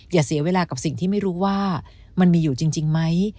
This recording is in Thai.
อย่าเสียเวลากับสิ่งที่ไม่รู้ว่ามันมีอยู่จริงไหม